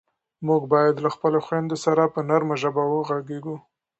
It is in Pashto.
موږ باید له خپلو خویندو سره په نرمه ژبه غږېږو.